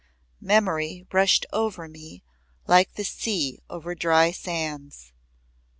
Memory rushed over me like the sea over dry sands.